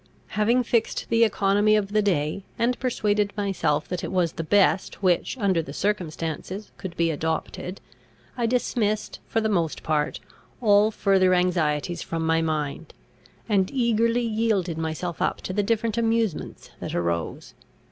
Having fixed the economy of the day, and persuaded myself that it was the best which, under the circumstances, could be adopted, I dismissed, for the most part, all further anxieties from my mind, and eagerly yielded myself up to the different amusements that arose.